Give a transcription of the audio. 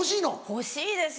欲しいです。